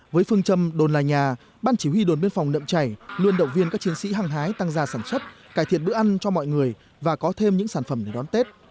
với phương châm đồn là nhà ban chỉ huy đồn biên phòng nậm chảy luôn động viên các chiến sĩ hăng hái tăng gia sản xuất cải thiện bữa ăn cho mọi người và có thêm những sản phẩm để đón tết